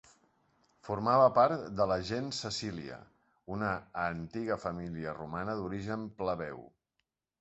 Formava part de la gens Cecília, una antiga família romana d'origen plebeu.